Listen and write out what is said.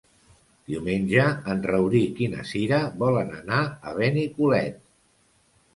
Diumenge en Rauric i na Cira volen anar a Benicolet.